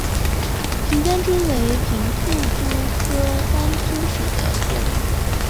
平单蛛为平腹蛛科单蛛属的动物。